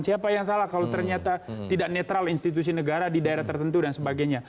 siapa yang salah kalau ternyata tidak netral institusi negara di daerah tertentu dan sebagainya